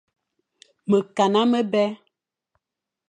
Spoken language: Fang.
Mekana mebè.